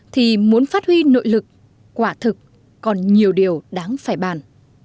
thì muốn phát huy nội lực quả thực còn nhiều điều đáng phải bàn